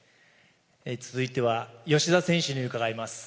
続いては、吉田選手に伺います。